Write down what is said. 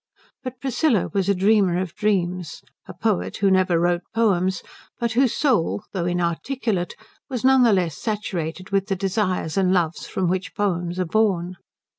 But Priscilla was a dreamer of dreams, a poet who never wrote poems, but whose soul though inarticulate was none the less saturated with the desires and loves from which poems are born.